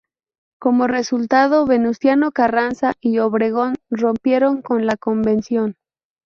Como resultado, Venustiano Carranza y Obregón rompieron con la Convención.